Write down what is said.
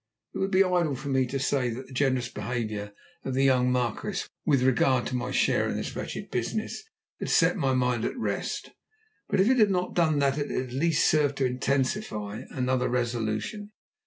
It would be idle for me to say that the generous behaviour of the young Marquis with regard to my share in this wretched business had set my mind at rest. But if it had not done that it had at least served to intensify another resolution.